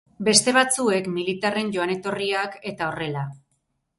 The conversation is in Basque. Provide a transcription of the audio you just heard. Beste batzuek militarren joan-etorriak, eta horrela.